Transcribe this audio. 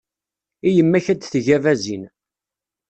I yemma-k ad d-tegg abazin.